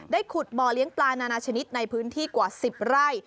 ขุดบ่อเลี้ยงปลานานาชนิดในพื้นที่กว่า๑๐ไร่